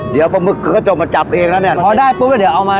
เดี๋ยวปลาหมึกเขาก็จะมาจับเองแล้วเนี้ยอ๋อได้ปุ๊บเดี๋ยวเอามา